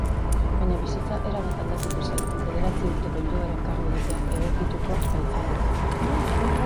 Baina bizitza erabat aldatuko zaio bederatzi urteko ilobaren kargu egitea egokituko baitzaio.